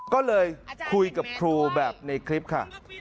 ก็เลยคุยกับครูแบบในคลิปค่ะ